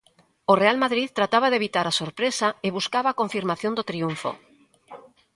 O Real Madrid trataba de evitar a sorpresa e buscaba a confirmación do triunfo.